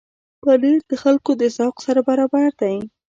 پنېر د خلکو د ذوق سره برابر دی.